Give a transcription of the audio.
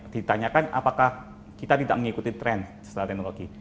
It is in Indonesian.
ditanyakan apakah kita tidak mengikuti tren setelah teknologi